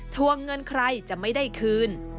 วงเงินใครจะไม่ได้คืน